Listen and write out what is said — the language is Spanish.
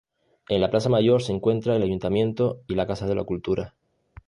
En la plaza mayor se encuentra el ayuntamiento y La casa de la cultura.